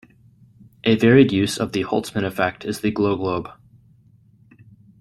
A varied use of the Holtzman effect is the glowglobe.